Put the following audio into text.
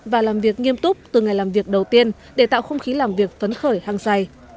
và làm việc nghiêm túc từ ngày làm việc đầu tiên để tạo không khí làm việc phấn khởi hăng say